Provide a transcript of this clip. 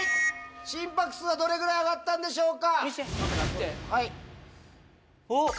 心拍数はどれぐらい上がったんでしょうか？